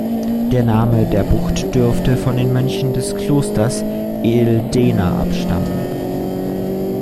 Der Name der Bucht dürfte von den Mönchen des Klosters Eldena abstammen.